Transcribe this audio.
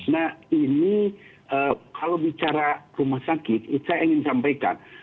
nah ini kalau bicara rumah sakit saya ingin sampaikan